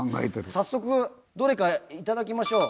早速どれか頂きましょう。